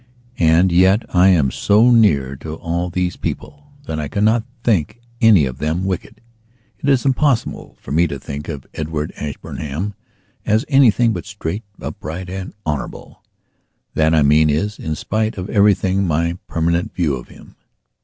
And yet I am so near to all these people that I cannot think any of them wicked. It is impossible of me to think of Edward Ashburnham as anything but straight, upright and honourable. That, I mean, is, in spite of everything, my permanent view of him.